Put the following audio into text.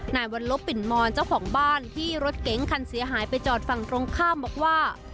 นายวัลลบปิ่นมอนเจ้าของบ้านที่รถเก๋งคันเสียหายไปจอดฝั่งตรงข้ามบอกว่า